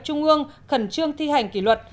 trung ương khẩn trương thi hành kỷ luật